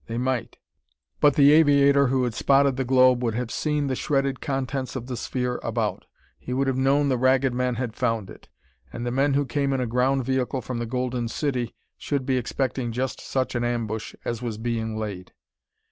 They might. But the aviator who had spotted the globe would have seen the shredded contents of the sphere about. He would have known the Ragged Men had found it. And the men who came in a ground vehicle from the Golden City should be expecting just such an ambush as was being laid.